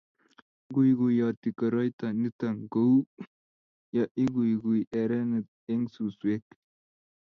ikuikuyoti koroito nito kou ya ikuikui erene eng' suswek